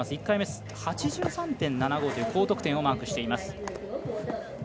１回目、８３．７５という高得点をマークしています。